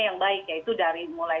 yang baik yaitu mulai